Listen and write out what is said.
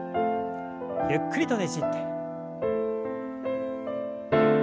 ゆっくりとねじって。